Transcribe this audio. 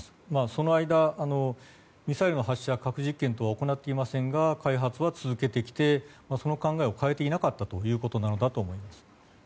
その間、ミサイルの発射核実験等は行っていませんが開発は続けてきてその考えを変えていなかったということなのだと思います。